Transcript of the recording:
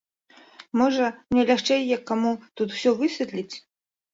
Можа, мне лягчэй, як каму, тут усё высветліць.